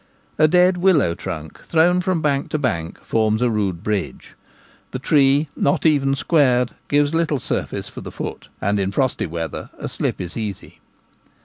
A dead willow trunk thrown from bank to bank forms a rude bridge ; the tree, not even squared, gives little surface for the foot, and in frosty weather a slip is easy.